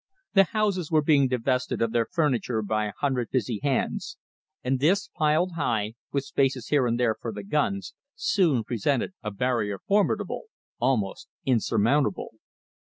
The houses were being divested of their furniture by a hundred busy hands, and this, piled high, with spaces here and there for the guns, soon presented a barrier formidable, almost insurmountable.